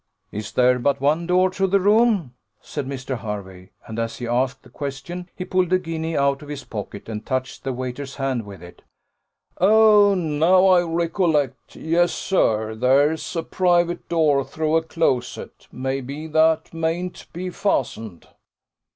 "Is there but one door to the room?" said Mr. Hervey; and, as he asked the question, he pulled a guinea out of his pocket, and touched the waiter's hand with it. "Oh, now I recollect yes, sir, there's a private door through a closet: may be that mayn't be fastened."